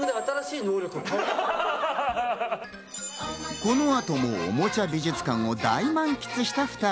この後も、おもちゃ美術館を大満喫した２人。